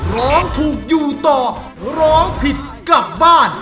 ร้องถูกอยู่ต่อร้องผิดกลับบ้าน